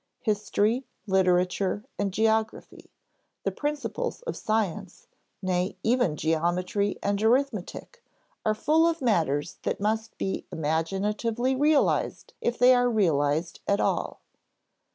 History, literature, and geography, the principles of science, nay, even geometry and arithmetic, are full of matters that must be imaginatively realized if they are realized at all.